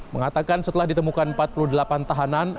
mengatakan setelah ditemukan empat puluh delapan tahanan